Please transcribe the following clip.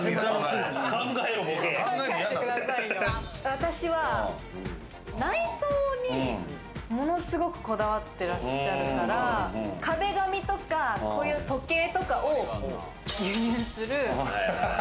私は内装にものすごくこだわっているから、壁紙とか時計とかを輸入する。